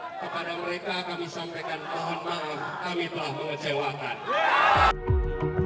kepada mereka kami sampaikan mohon maaf kami telah mengecewakan